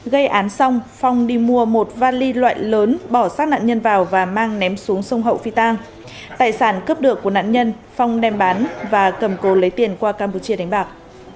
gây án xong phong đi mua một vali loại lớn bỏ sát nạn nhân vào và mang ném xuống sông hậu phi tang tài sản cướp được của nạn nhân phong đem bán và cầm cố lấy tiền qua campuchia đánh bạc